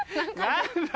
何だ？